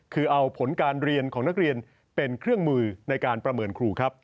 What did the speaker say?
คือเอาผลการเรียนของนักเรียนเป็นเครื่องมือในการประเมินครูครับ